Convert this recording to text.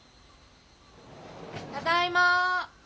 ただいま。